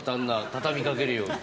畳みかけるように。